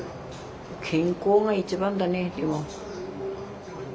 健康が一番だねでも。